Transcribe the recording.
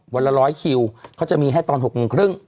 วันละ๑๐๐คิวเขาจะมีให้ตอน๖โมงครึ่ง